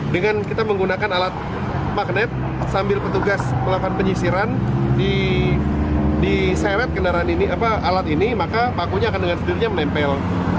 dengan kita menggunakan alat magnet sambil petugas melakukan penyisiran diseret alat ini maka pakunya akan dengan sendirinya menempel